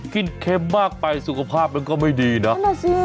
กินเช็มมากไปสุขภาพมันก็ไม่ดีเนาะนะแหละซิ